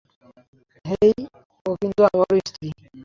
হেই, ও কিন্তু আমারো স্ত্রী।